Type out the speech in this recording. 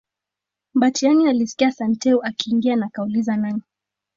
Mbatiany alisikia Santeu akiingia na akauliza nani